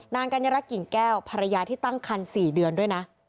กัญญารักกิ่งแก้วภรรยาที่ตั้งคัน๔เดือนด้วยนะ